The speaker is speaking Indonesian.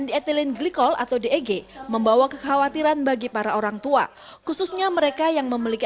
di ethylene glikol atau dg membawa kekhawatiran bagi para orangtua khususnya mereka yang memiliki